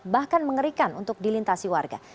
bahkan mengerikan untuk dilintasi warga